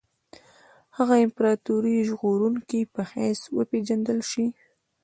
هغه د امپراطوري ژغورونکي په حیث وپېژندل شي.